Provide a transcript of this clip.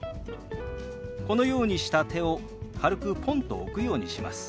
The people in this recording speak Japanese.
このようにした手を軽くポンと置くようにします。